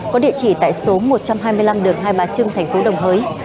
có địa chỉ tại số một trăm hai mươi năm đường hai bà trưng thành phố đồng hới